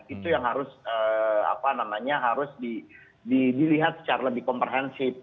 itu yang harus apa namanya harus dilihat secara lebih komprehensif